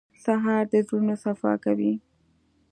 سهار د زړونو صفا کوي.